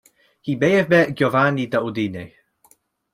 He may have met Giovanni da Udine.